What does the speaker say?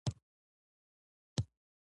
د امیر پر ضد دسیسه وکړي.